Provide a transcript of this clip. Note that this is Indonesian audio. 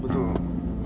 gak tau juga ya